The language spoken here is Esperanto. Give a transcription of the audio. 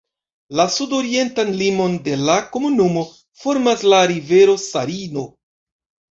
La sudorientan limon de la komunumo formas la rivero Sarino.